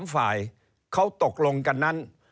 ฝ่ายเขาตกลงกันนั้น